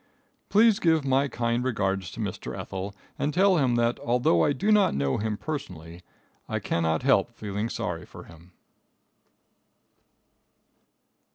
Please give my kind regards to Mr. Ethel, and tell him that although I do not know him personally, I cannot help feeling sorry for him.